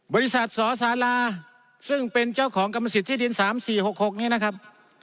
บริษัทสสาราซึ่งเป็นเจ้าของกรรมสิทธิดิน๓๔๖๖นี้นะครับ